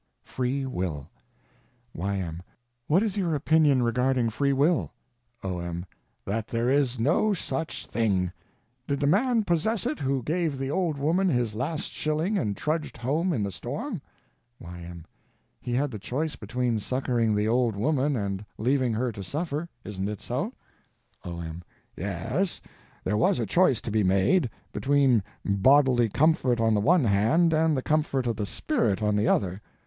Free Will Y.M. What is your opinion regarding Free Will? O.M. That there is no such thing. Did the man possess it who gave the old woman his last shilling and trudged home in the storm? Y.M. He had the choice between succoring the old woman and leaving her to suffer. Isn't it so? O.M. Yes, there was a choice to be made, between bodily comfort on the one hand and the comfort of the spirit on the other.